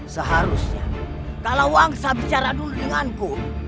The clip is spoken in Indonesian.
seharusnya kalau wangsa bicara dulu denganku